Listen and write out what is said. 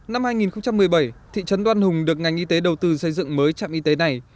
năm hai nghìn một mươi bảy thị trấn đoan hùng được ngành y tế đầu tư xây dựng mới trạm y tế này